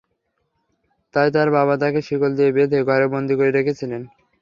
তাই তাঁর বাবা তাঁকে শিকল দিয়ে বেঁধে ঘরে বন্দী করে রেখেছিলেন।